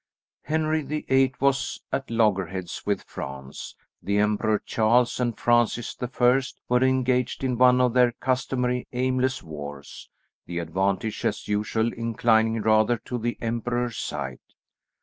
Henry the Eighth was at loggerheads with France; the Emperor Charles and Francis the First were engaged in one of their customary aimless wars, the advantage as usual inclining rather to the emperor's side.